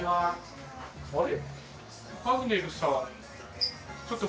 あれ？